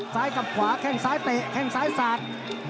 ซ้ายกับขวาแข้งซ้ายเตะแข้งซ้ายสาด